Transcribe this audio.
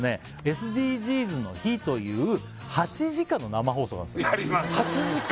「ＳＤＧｓの日」という８時間の生放送なんすよ８時間！？